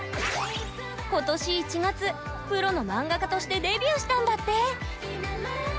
今年１月プロの漫画家としてデビューしたんだって！